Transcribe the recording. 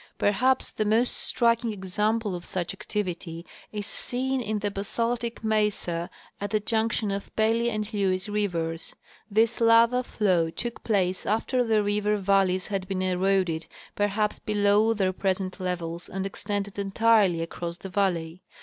Perhaps the most striking example of such activity is seen in the basaltic mesa at the junction of Pelly and Lewes rivers. This lava flow took place after the river valleys had been eroded j^erhaps below their present levels and extended entirely across the valley.